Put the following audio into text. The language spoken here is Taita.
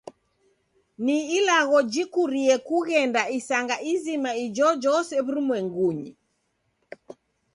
Ni ilagho jikurie kughenda isanga izima ijojose w'urumwengunyi